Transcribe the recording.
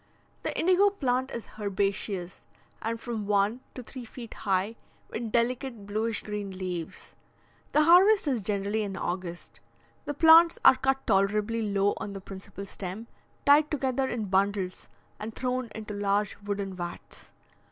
The indigo plant is herbaceous, and from one to three feet high, with delicate bluish green leaves. The harvest is generally in August; the plants are cut tolerably low on the principal stem, tied together in bundles, and thrown into large wooden vats.